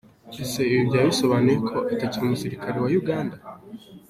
Ese ibi byaba bisobanuye ko atakiri umusirikare wa Uganda?